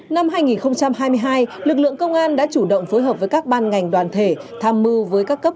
năm hai nghìn hai mươi hai lực lượng công an đã chủ động phối hợp với các ban ngành đoàn thể tham mưu với các cấp